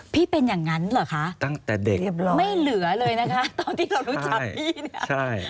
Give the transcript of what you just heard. ไม่เหลือเลยนะคะตอนที่เรารู้จักพี่